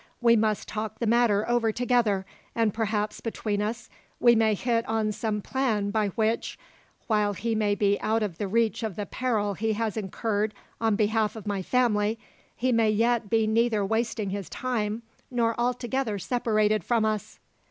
We must talk the matter over together, and perhaps between us we may hit on some plan by which, while he may be out of the reach of the peril he has incurred on behalf of my family, he may yet be neither wasting his time, nor altogether separated from us."